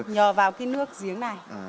nhờ vào cái nước giếng này